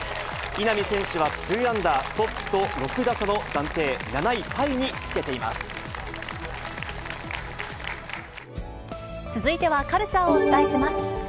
稲見選手は２アンダー、トップと６打差の暫定７位タイにつけてい続いてはカルチャーをお伝えします。